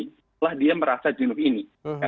setelah dia merasa jenuh ini